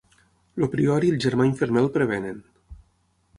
El prior i el germà infermer el prevenen.